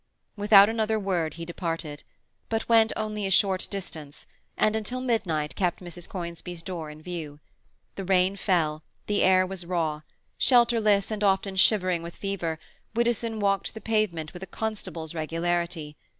Without another word he departed. But went only a short distance, and until midnight kept Mrs. Conisbee's door in view. The rain fell, the air was raw; shelterless, and often shivering with fever, Widdowson walked the pavement with a constable's regularity.